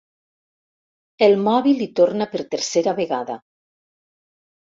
El mòbil hi torna per tercera vegada.